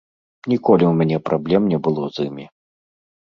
Ніколі ў мяне праблем не было з імі.